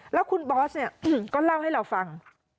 แล้วคุณบอสเนี่ยก็เล่าให้เราฟัง